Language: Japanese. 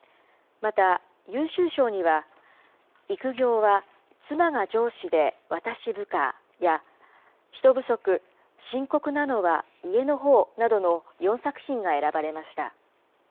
また優秀賞には、育業は妻が上司で私部下や、人不足深刻なのは家のほうなどの４作品が選ばれました。